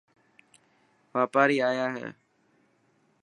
واپاري آيا هي.